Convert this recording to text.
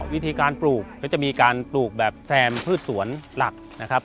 วิธีการปลูกก็จะมีการปลูกแบบแซมพืชสวนหลักนะครับ